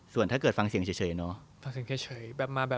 ส่วนถ้าเกิดฟังเสียงเฉยเนาะ